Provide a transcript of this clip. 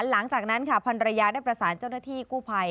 หลังจากนั้นค่ะพันรยาได้ประสานเจ้าหน้าที่กู้ภัย